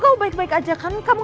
kamu gak kenapa napa kan